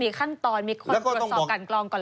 มันต้องมีขั้นตอนมีความตรวจสอบการกล่องก่อนเลย